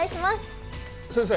先生。